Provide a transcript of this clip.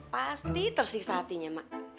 pasti tersiksa hatinya mak